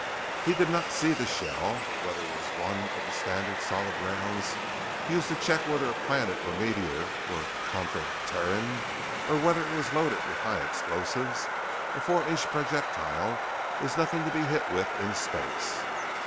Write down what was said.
He did not see the shell. But whether it was one of the standard solid rounds used to check whether a planet or meteor were contraterrene, or whether it was loaded with high explosives, a four inch projectile is nothing to be hit with in space.